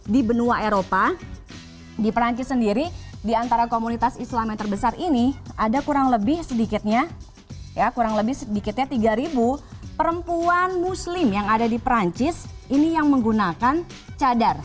di benua eropa di perancis sendiri di antara komunitas islam yang terbesar ini ada kurang lebih sedikitnya tiga ribu perempuan muslim yang ada di perancis ini yang menggunakan cadar